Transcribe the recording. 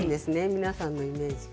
皆さんのイメージが。